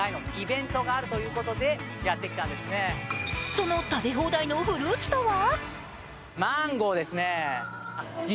その食べ放題のフルーツとは？